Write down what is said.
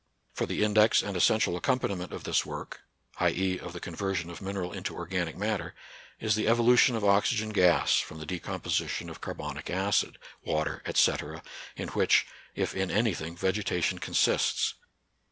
For the index and essential accompaniment of this work («'. e., of the conversion of mineral into organic matter) is the evolution of oxygen gas from the decomposition of carbonic acid, water, &c., in which, if in any thing, vegetation con sists.